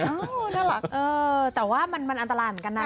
น่ารักเออแต่ว่ามันอันตรายเหมือนกันนะ